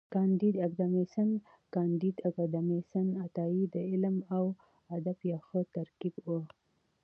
کانديد اکاډميسن کانديد اکاډميسن عطایي د علم او ادب یو ښه ترکیب و.